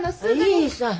いいさ。